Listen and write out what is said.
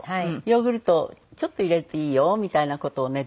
ヨーグルトをちょっと入れるといいよみたいな事をね